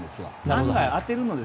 案外、当てるので